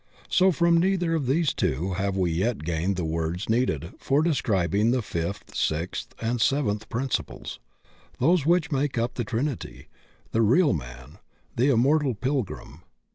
So from neither of these two have we yet gained the words needed for describing the fifth, sixth, and seventh principles, those which make up the Trinity, the real man, the immortal pilgrim.